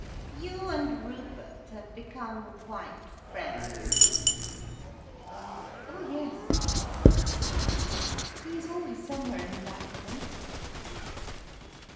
"You and Rupert have become quite friends?" "Oh yes," said Ursula. "He is always somewhere in the background."